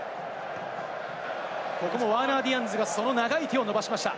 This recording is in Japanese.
ここもワーナー・ディアンズがその長い手を伸ばしました。